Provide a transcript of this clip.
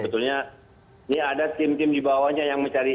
sebetulnya ini ada tim tim di bawahnya yang mencari